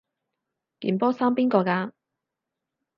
件波衫邊個㗎？